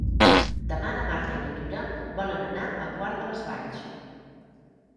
Demà na Marta i na Tura volen anar a Quart de les Valls.